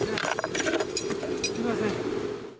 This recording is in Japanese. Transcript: すみません。